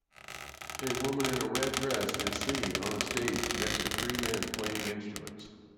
A woman in a red dress is singing on a stage next to three men playing instruments